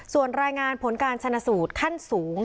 ส่วนรายงานผลการชนะสูตรขั้นสูง